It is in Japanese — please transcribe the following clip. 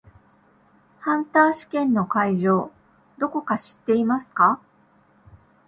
ハンター試験の会場どこか知っていますか？